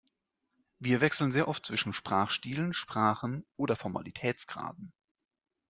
Wir wechseln sehr oft zwischen Sprachstilen, Sprachen oder Formalitätsgraden.